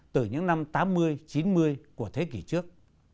từ những năm tám mươi chín mươi của thế kỷ trước